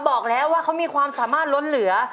บอกแล้วว่าเขามีความสามารถล้นเหลือ